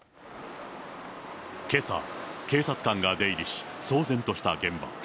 けさ、警察官が出入りし、騒然とした現場。